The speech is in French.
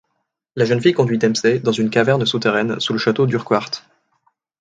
La jeune fille conduit Dempsey dans une caverne souterraine, sous le château d'Urquhart.